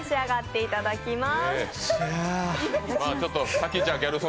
いただきまーす。